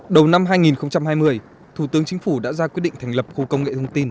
đầu năm hai nghìn hai mươi thủ tướng chính phủ đã ra quyết định thành lập khu công nghệ thông tin